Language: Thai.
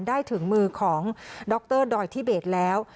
ได้ถึงมือของดรดอยทิเบสแล้ว